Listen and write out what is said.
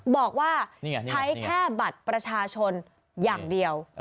บอกว่าใช้แค่บัตรประชาชนอย่างเดียว